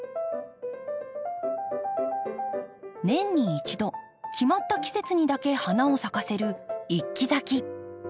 年に一度決まった季節にだけ花を咲かせる一季咲き。